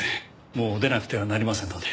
もう出なくてはなりませんので。